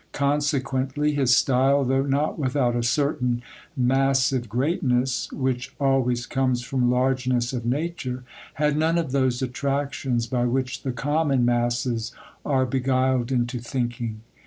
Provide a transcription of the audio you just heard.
Consequently, his style, though not without a certain massive greatness, which always comes from largeness of nature, had none of those attractions by which the common masses are beguiled into thinking.